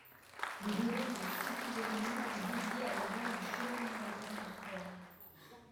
Le domaine de Sidi Berni est dédié à l'élevage du Cheval marocain de sport.